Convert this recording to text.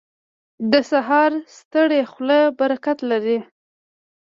• د سهار ستړې خوله برکت لري.